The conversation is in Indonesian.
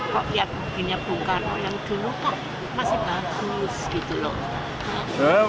kok lihat mungkinnya bung karno yang dulu kok masih bagus gitu loh